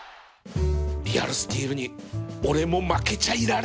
リアルスティールに俺も負けちゃいられない